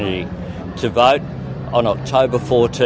untuk memilih pada empat belas oktober